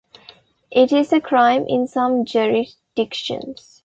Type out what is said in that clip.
It is a crime in some jurisdictions.